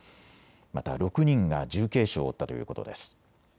また６人が重軽傷を負ったということです。